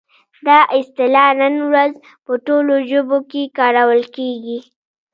دا اصطلاح نن ورځ په ټولو ژبو کې کارول کیږي.